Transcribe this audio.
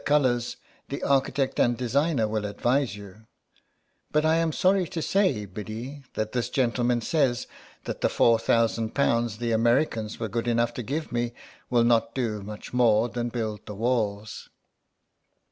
colours, the architect and designer will advise you But I am sorry to say, Biddy, that this gentleman says that the four thousand pounds the Americans were good enough to give me will not do much more than build the walls."